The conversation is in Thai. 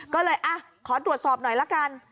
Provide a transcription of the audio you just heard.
ก็เลยขอตรวจสอบหน่อยละกัน